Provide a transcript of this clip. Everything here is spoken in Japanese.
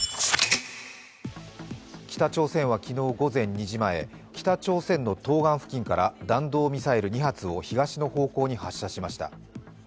北朝鮮は昨日午前２時前、北朝鮮の東岸付近から弾道ミサイル２発を東の方向に発射しました。